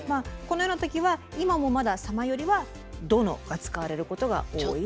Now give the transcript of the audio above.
このようなときは今もまだ「様」よりは「殿」が使われることが多いと。